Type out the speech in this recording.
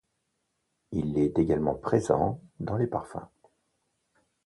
Il est également présent dans les parfums.